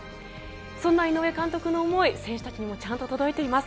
そんな井上監督の思い選手たちにもちゃんと届いています。